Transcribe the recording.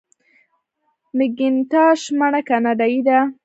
مکینټاش مڼه کاناډايي ده.